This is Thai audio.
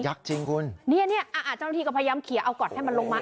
ยักษ์จริงคุณเนี้ยเนี้ยอ่าอ่าเจ้าหน้าที่ก็พยายามเขียนเอาก่อนให้มันลงมา